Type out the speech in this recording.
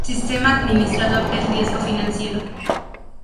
Sistema Administrador de Riesgo Financiero